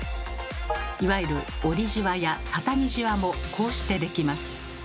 いわゆる「折りジワ」や「たたみジワ」もこうしてできます。